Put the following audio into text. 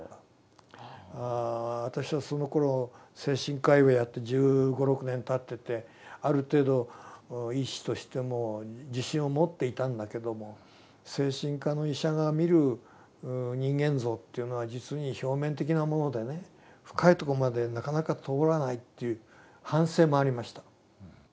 私はそのころ精神科医をやって１５１６年たっててある程度医師としても自信を持っていたんだけども精神科の医者が見る人間像というのは実に表面的なものでね深いとこまでなかなか通らないという反省もありました。